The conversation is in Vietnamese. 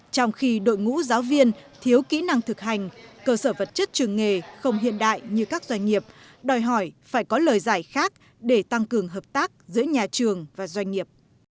trong khi đội ngũ giáo viên thiếu kỹ năng thực hành cơ sở vật chất trường nghề không hiện đại như các doanh nghiệp đòi hỏi phải có lời giải khác để tăng cường hợp tác giữa nhà trường và doanh nghiệp